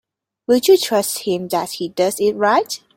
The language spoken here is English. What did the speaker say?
Will you trust him that he does it right?